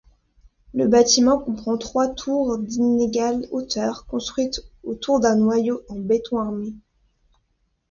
Le bâtiment comprend trois tours d'inégales hauteurs, construites autour d'un noyau en béton armé.